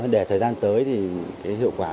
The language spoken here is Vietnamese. để thời gian tới thì hiệu quả